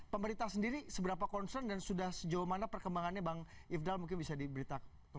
pemerintah sendiri seberapa concern dan sudah sejauh mana perkembangannya bang ifdal mungkin bisa diberitakan